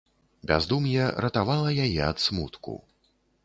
Бяздум'е ратавала яе ад смутку.